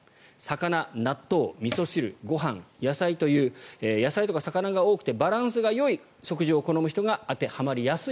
魚、納豆、みそ汁、ご飯野菜という野菜とか魚などバランスがよい食事を好む人が当てはまりやすい。